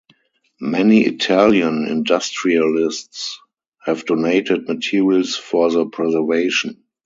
Many Italian industrialists have donated materials for the preservation.